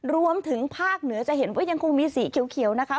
รวมถึงภาคเหนือจะเห็นว่ายังคงมีสีเขียวนะคะ